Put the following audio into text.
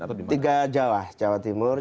atau di mana tiga jawa jawa timur